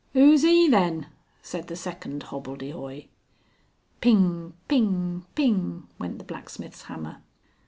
"Who's e then?" said the second hobbledehoy. "Ping, ping, ping," went the blacksmith's hammer.